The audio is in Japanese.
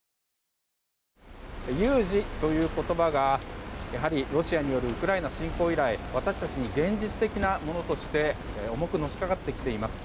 有事という言葉がやはりロシアによるウクライナ侵攻以来私たちに現実的なものとして重くのしかかってきています。